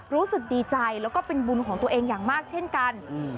รู้สึกดีใจแล้วก็เป็นบุญของตัวเองอย่างมากเช่นกันอืม